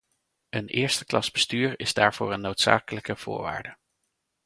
Een eersteklas bestuur is daarvoor een noodzakelijke voorwaarde.